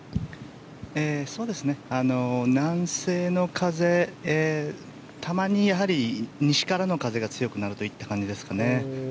南西の風でたまに西からの風が強くなる感じです。